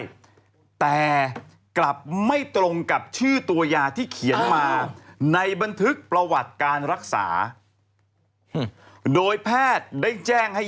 ได้แต่กลับไม่ตรงกับชื่อตัวยาที่เขียนมาในบันทึกประวัติการรักษาโดยแพทย์ได้แจ้งให้